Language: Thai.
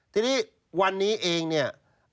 ทีนี้วันนี้เองเนี่ย